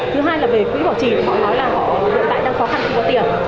thứ hai là về quỹ bảo trì họ nói là họ hiện tại đang khó khăn không có tiền